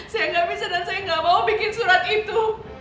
saya nggak bisa dan saya nggak mau bikin surat itu